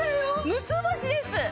６つ星です！